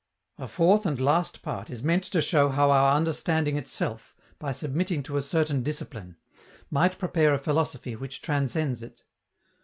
A fourth and last part is meant to show how our understanding itself, by submitting to a certain discipline, might prepare a philosophy which transcends it.